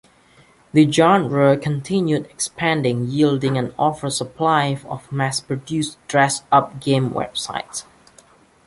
The genre continued expanding, yielding an over-supply of mass-produced dress up game websites.